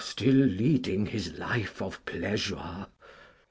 Still leading his life of pleasure?